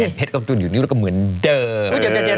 เห็นเพชรกำจุดอยู่นี่แล้วก็เหมือนเดิม